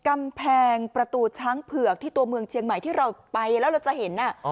กำแพงประตูช้างเผือกที่ตัวเมืองเชียงใหม่ที่เราไปแล้วเราจะเห็น